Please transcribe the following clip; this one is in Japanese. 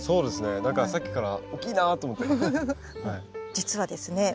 実はですね